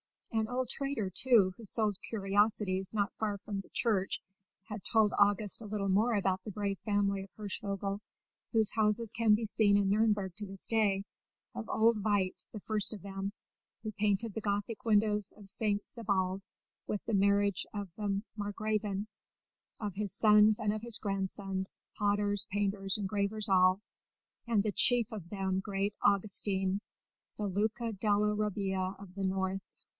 An old trader, too, who sold curiosities not far from the church, had told August a little more about the brave family of Hirschvogel, whose houses can be seen in Nürnberg to this day; of old Veit, the first of them, who painted the Gothic windows of St. Sebald with the marriage of the Margravine; of his sons and of his grandsons, potters, painters, engravers all, and chief of them great Augustin, the Luca della Robbia of the North.